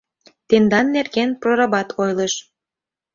Тендан нерген прорабат ойлыш.